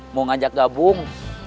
mau ngajak gabung